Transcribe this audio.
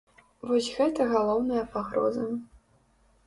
Вось гэта галоўная пагроза.